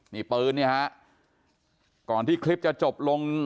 นี่ปืนเนี่ยฮะก่อนที่คลิปจะจบลง